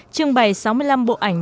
trưng bày sáu mươi năm bộ ảnh